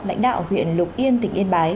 lãnh đạo huyện lục yên tỉnh yên bái